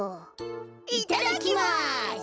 いただきます。